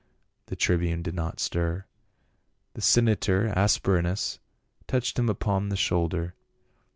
The tribune did not stir. The senator Asprenas touched him upon the shoulder.